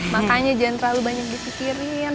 makanya jangan terlalu banyak dipikirin